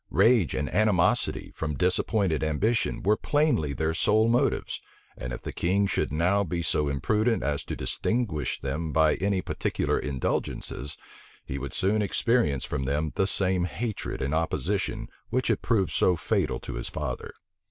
Rage and animosity, from disappointed ambition, were plainly their sole motives; and if the king should now be so imprudent as to distinguish them by any particular indulgences, he would soon experience from them the same hatred and opposition which had proved so fatal to his father.